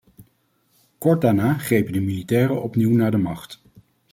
Kort daarna grepen de militairen opnieuw naar de macht.